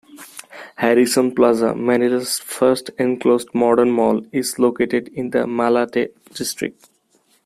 Harrison Plaza, Manila's first enclosed modern mall, is located in the Malate district.